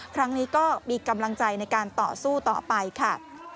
ครั้งนี้ก็มีกำลังใจในการต่อสู้ต่อไปค่ะ